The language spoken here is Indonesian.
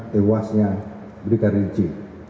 tewasnya berita riji